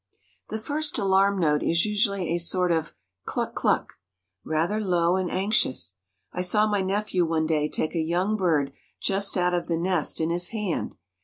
The first alarm note is usually a sort of cluck! cluck! rather low and anxious. I saw my nephew one day take a young bird just out of the nest in his hand.